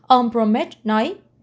ông bromage nói